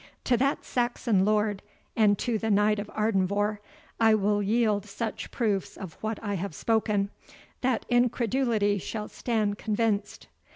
To that Saxon lord, and to the Knight of Ardenvohr, I will yield such proofs of what I have spoken, that incredulity shall stand convinced.